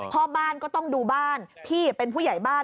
พ่อบ้านก็ต้องดูบ้านพี่เป็นผู้ใหญ่บ้าน